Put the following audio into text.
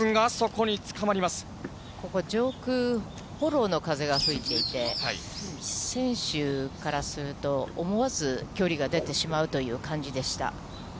ここ、上空、フォローの風が吹いていて、選手からすると、思わず距離が出てしまうという感じでした。